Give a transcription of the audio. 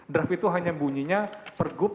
draft itu hanya bunyinya per gup